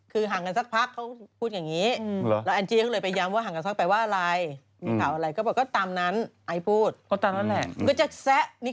คือห่างกันสักพักเขาพูดอย่างนี้